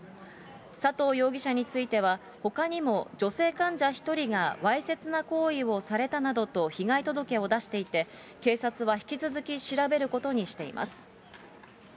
佐藤容疑者については、ほかにも女性患者１人がわいせつな行為をされたなどと被害届を出していて、警察は引き続き調べることにしています。